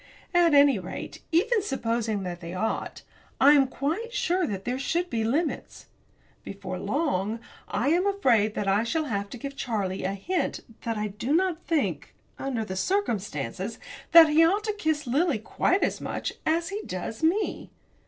At any rate, even supposing that they ought I am quite sure that there should be limits. Before long I am afraid that I shall have to give Charlie a hint that I do not think, under the circumstances, that he ought to kiss Lily quite as much as he does me.